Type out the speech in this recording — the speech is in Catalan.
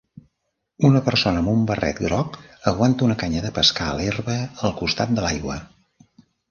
Una persona amb un barret groc aguanta una canya de pescar a l'herba al costat de l'aigua.